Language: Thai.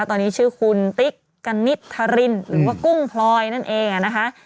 ตอนนี้ชื่อคุณติ๊กกณิตธรินหรือว่ากุ้งพลอยนั่นเองนะคะ